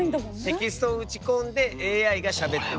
テキストを打ち込んでＡＩがしゃべってる。